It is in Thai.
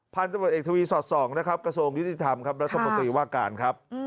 พันธุ์จำเปิดเอกทวีสอด๒นะครับกระทรวงยุติธรรมครับและสมปติว่าการครับ